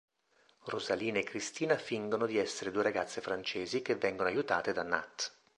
Rosalina e Kristina fingono di essere due ragazze francesi che vengono aiutate da Nat.